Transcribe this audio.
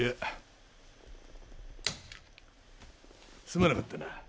すまなかったな。